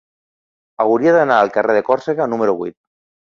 Hauria d'anar al carrer de Còrsega número vuit.